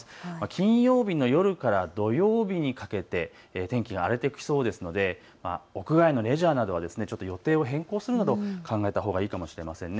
金曜日の夜から土曜日にかけて天気が荒れてきそうですので屋外のレジャーなどはちょっと予定を変更するなど考えたほうがいいかもしれません。